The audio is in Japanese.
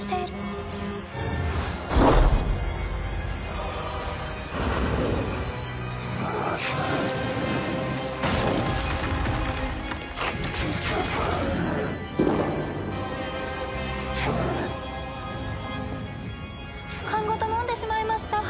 「ジャッ！」缶ごと飲んでしまいました！